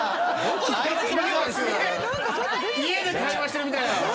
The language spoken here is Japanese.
家で会話してるみたいな。